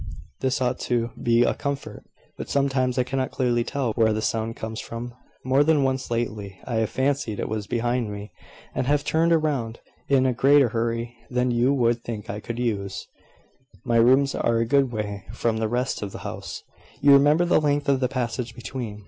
This ought to be a comfort: but sometimes I cannot clearly tell where the sound comes from. More than once lately I have fancied it was behind me, and have turned round in a greater hurry than you would think I could use. My rooms are a good way from the rest of the house; you remember the length of the passage between.